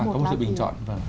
có một sự bình chọn